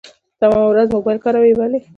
تمامه ورځ موبايل کاروي ولي .